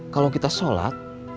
kalau kita sholat